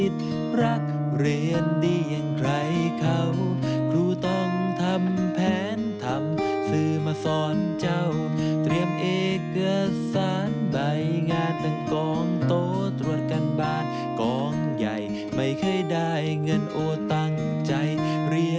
ชื่อมมุขทั้งหลายฤกษ์นี้